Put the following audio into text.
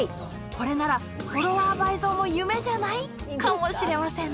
これならフォロワー倍増も夢じゃない？かもしれませんね。